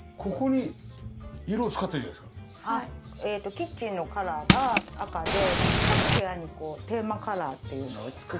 キッチンのカラーが赤で各部屋にテーマカラーっていうのを作ってあるので。